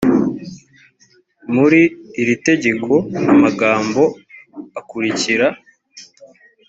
muri iri tegeko amagambo akurikira